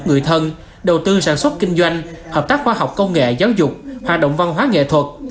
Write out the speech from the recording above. người thân đầu tư sản xuất kinh doanh hợp tác khoa học công nghệ giáo dục hoạt động văn hóa nghệ thuật